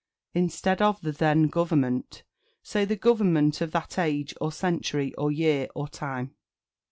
Instead of "The then government," say "The government of that age, or century, or year, or time."